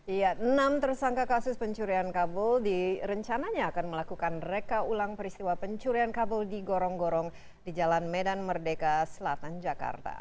iya enam tersangka kasus pencurian kabel direncananya akan melakukan reka ulang peristiwa pencurian kabel di gorong gorong di jalan medan merdeka selatan jakarta